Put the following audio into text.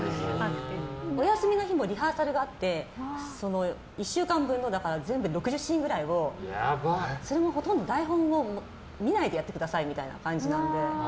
お休みの日もリハーサルがあって１週間分の６０シーンぐらいをそれもほとんど台本を見ないでやってくださいみたいな感じなので。